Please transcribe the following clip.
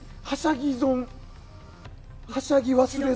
はしゃぎ忘れ損。